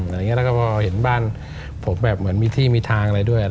แล้วก็พอเห็นบ้านผมแบบเหมือนมีที่มีทางอะไรด้วย